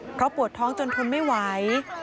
เพราะปวดท้องจนทนไม่ไหว